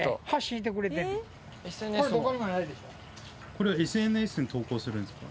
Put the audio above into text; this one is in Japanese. これＳＮＳに投稿するんですか？